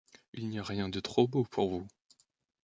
Il n’y a rien de trop beau pour vous.